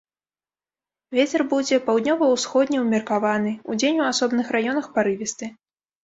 Вецер будзе паўднёва-ўсходні ўмеркаваны, удзень у асобных раёнах парывісты.